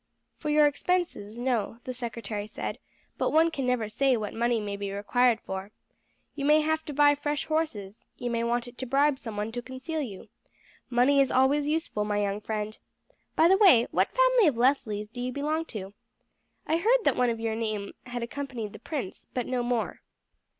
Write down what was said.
"For your expenses, no," the secretary said; "but one never can say what money may be required for. You may have to buy fresh horses, you may want it to bribe someone to conceal you. Money is always useful, my young friend. By the way, what family of Leslies do you belong to? I heard that one of your name had accompanied the prince, but no more."